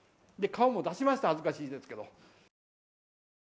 顔も出しました恥ずかしいですけど。